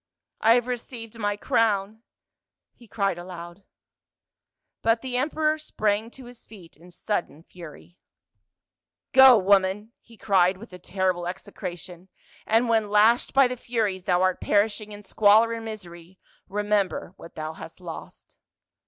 "I have received my crown !" he cried aloud. Rut the emperor sprang to his feet in sudden fur\ . 166 PAUL. " Go, woman !" he cried with a terrible execration, " and when lashed by the furies thou art perishing in squalor and misery, remember what thou hast lost."